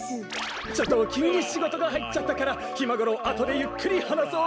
ちょっときゅうにしごとがはいっちゃったからひまごろうあとでゆっくりはなそう。